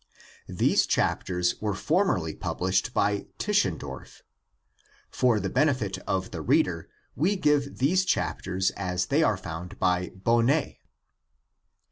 These chapters were formerly published by Tischendorf (p. 262 272). For the benefit of the reader we give these chapters as they are given by Bonnet (p.